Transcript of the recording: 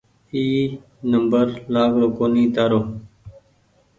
اي نمبر لآگرو ڪونيٚ تآرو